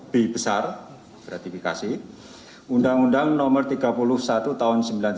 b besar gratifikasi undang undang nomor tiga puluh satu tahun seribu sembilan ratus sembilan puluh sembilan